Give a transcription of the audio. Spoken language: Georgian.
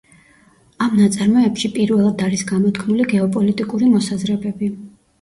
ამ ნაწარმოებში პირველად არის გამოთქმული გეოპოლიტიკური მოსაზრებები.